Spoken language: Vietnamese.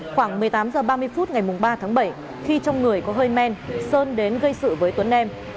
khoảng một mươi tám h ba mươi phút ngày ba tháng bảy khi trong người có hơi men sơn đến gây sự với tuấn em